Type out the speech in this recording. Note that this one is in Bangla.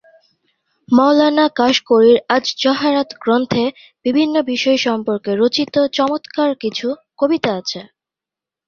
মওলানা কাশগড়ীর আয-যহারাত গ্রন্থে বিভিন্ন বিষয় সম্পর্কে রচিত চমৎকার কিছু কবিতা আছে।